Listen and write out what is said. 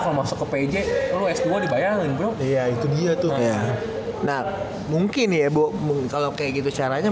kalau masuk ke pj lo s dua dibayangin bro iya itu dia tuh nah mungkin ya bu kalau kayak gitu caranya